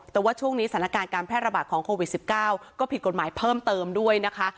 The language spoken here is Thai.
แต่ว่าช่วงนี้สถานการณ์การแพร่ระบาดของโควิด๑๙ก็ผิดกฎหมายเพิ่มเติมด้วยนะคะ